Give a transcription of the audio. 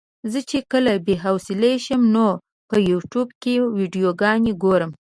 زه چې کله بې حوصلې شم نو په يوټيوب کې ويډيوګانې ګورم.